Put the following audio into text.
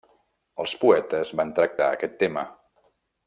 Els poetes van tractar aquest tema.